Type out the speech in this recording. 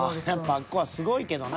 あっこはすごいけどな。